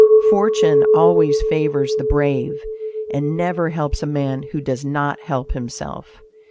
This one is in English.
Fortune always favors the brave, and never helps a man who does not help himself.